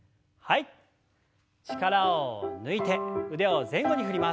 力を抜いて腕を前後に振ります。